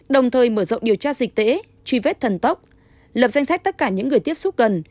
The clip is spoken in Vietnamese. đồng thời mở rộng điều tra dịch tễ truy vết thần tốc lập danh sách tất cả những người tiếp xúc gần